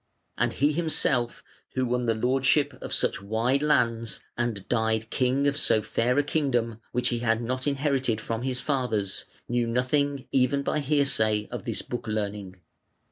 And he himself, who won the lordship of such wide lands, and died king of so fair a kingdom which he had not inherited from his fathers, knew nothing even by hearsay of this book learning.